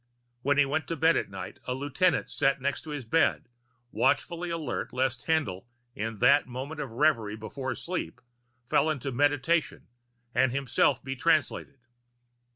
When he went to bed at night, a lieutenant sat next to his bed, watchfully alert lest Haendl, in that moment of reverie before sleep, fell into Meditation and himself be Translated.